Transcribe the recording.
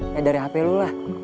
ya dari hp lu lah